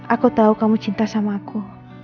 aku tahu kamu cinta sama aku